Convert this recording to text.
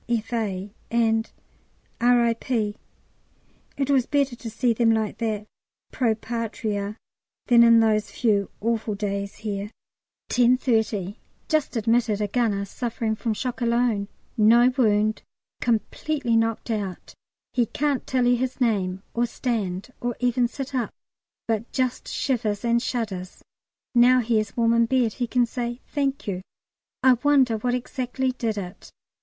F.A.," and R.I.P. It was better to see them like that Pro Patria than in those few awful days here. 10.30. Just admitted a gunner suffering from shock alone no wound completely knocked out; he can't tell you his name, or stand, or even sit up, but just shivers and shudders. Now he is warm in bed, he can say "Thank you." I wonder what exactly did it.